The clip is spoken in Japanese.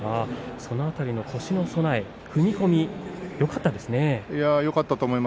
その腰の備え踏み込みがよかったですね。